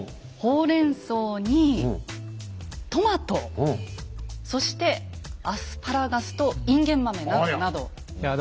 ホウレンソウにトマトそしてアスパラガスとインゲン豆などなど。